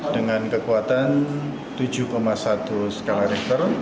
dengan kekuatan tujuh satu skala richter